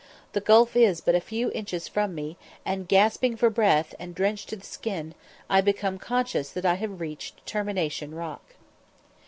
The gulf is but a few inches from me, and, gasping for breath, and drenched to the skin, I become conscious that I have reached Termination Rock.